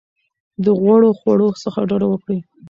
د غوړو خوړو څخه ډډه وکړئ.